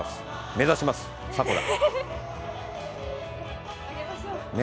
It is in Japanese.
目指します、迫田。